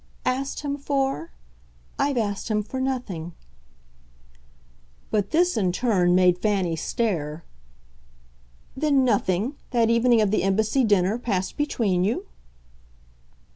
"Asked him for? I've asked him for nothing." But this, in turn, made Fanny stare. "Then nothing, that evening of the Embassy dinner, passed between you?"